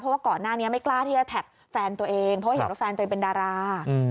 เพราะว่าก่อนหน้านี้ไม่กล้าที่จะแท็กแฟนตัวเองเพราะเห็นว่าแฟนตัวเองเป็นดารา